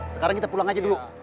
sekarang kita pulang aja dulu